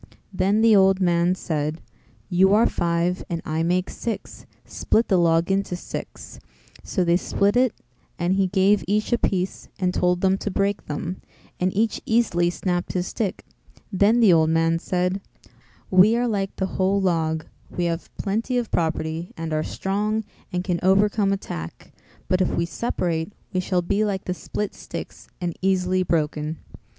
Then the old man said, "You are five and I make six; split the log into six," So they split it and he gave each a piece and told them to break them, and each easily snapped his stick; then the old man said "We are like the whole log: we have plenty of property and are strong and can overcome attack; but if we separate we shall be like the split sticks and easily broken."